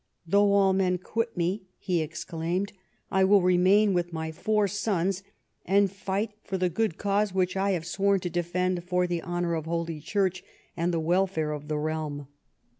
" Though all men quit me," he exclaimed, " I will remain with my four sons and fight for the good cause which I have sworn to defend for the honour of Holy Church and the welfare of the realm."